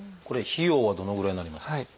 これ費用はどのぐらいになりますか？